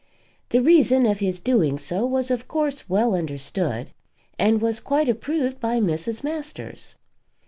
The reason of his doing so was of course well understood, and was quite approved by Mrs. Masters.